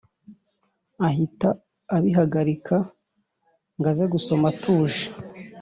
ahita abihagarika ngaze gusoma atuje.